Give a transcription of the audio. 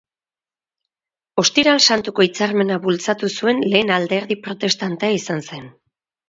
Ostiral Santuko Hitzarmena bultzatu zuen lehen alderdi protestantea izan zen.